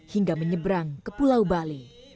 hingga menyeberang ke pulau bali